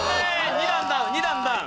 ２段ダウン２段ダウン。